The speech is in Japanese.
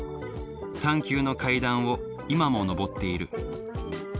探究の階段を今も昇っている。